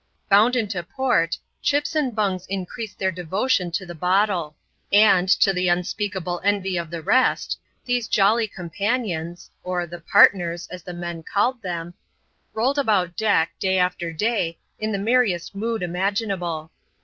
Bound into port, Chips and Bungs increased their devotion to the bottle ; and, to the unspeakable envy of the rest, these jolly companions — or " the Partners," as the men called them — rolled about deck, day after day, in the merriest mood imagin able.